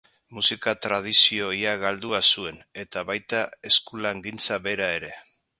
Musika-tradizio ia galdua zuen, eta baita eskulangintza bera ere.